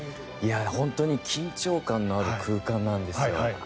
本当に緊張感のある空間なんですよ。